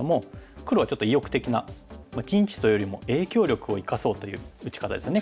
黒はちょっと意欲的な陣地というよりも影響力を生かそうという打ち方ですよね